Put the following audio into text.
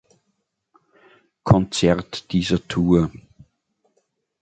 Konzert dieser Tour.